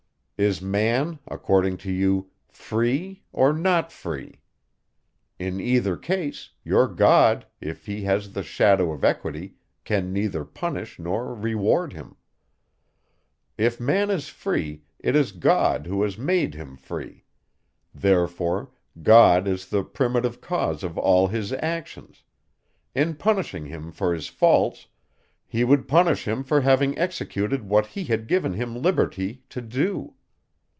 Is man, according to you, free, or not free? In either case, your God, if he has the shadow of equity, can neither punish nor reward him. If man is free, it is God, who has made him free; therefore God is the primitive cause of all his actions; in punishing him for his faults, he would punish him for having executed what he had given him liberty to do.